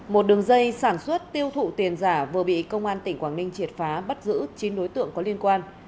một đường dây sản xuất tiêu thụ tiền giả vừa bị công an tỉnh quảng ninh triệt phá bắt giữ chín đối tượng có liên quan